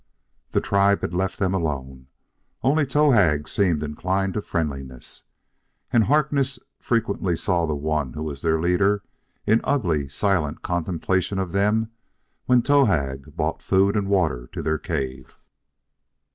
The tribe had left them alone. Only Towahg seemed inclined to friendliness; and Harkness frequently saw the one who was their leader in ugly, silent contemplation of them when Towahg brought food and water to their cave.